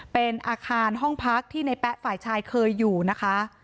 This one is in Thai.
เป็นอาคารห้องพักที่ในแป๊ะฝ่ายชายเคยอยู่นะคะ